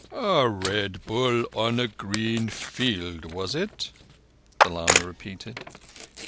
"A Red Bull on a green field, was it?" the lama repeated.